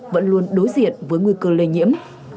vẫn luôn đối diện với nguy cơ lây nhiễm